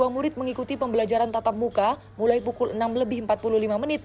delapan ratus tiga puluh dua murid mengikuti pembelajaran tatap muka mulai pukul enam lebih empat puluh lima menit